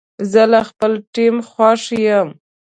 زه له خپل ټیم خوښ یم.